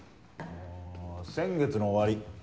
ん先月の終わり。